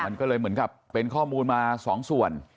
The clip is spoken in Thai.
มันก็เลยเหมือนกับเป็นข้อมูลมาสองส่วน